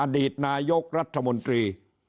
อดีตนายกรัฐมนตรี